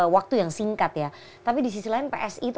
waktu yang singkat ya tapi di sisi lain psi itu